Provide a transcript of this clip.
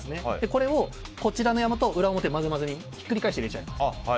これをこちらの山と裏表、混ぜ混ぜにひっくり返して入れちゃいます。